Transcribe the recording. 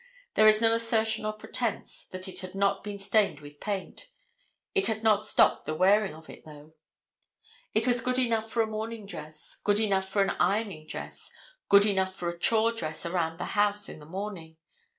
There is no assertion or pretence that it had not been stained with paint. It had not stopped the wearing of it, though. It was good enough for a morning dress, good enough for an ironing dress, good enough for a chore dress around the house in the morning.